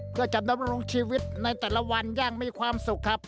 เพื่อจะดำรงชีวิตในแต่ละวันอย่างมีความสุขครับ